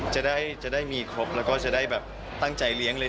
จะได้มีครบแล้วก็จะได้แบบตั้งใจเลี้ยงเลย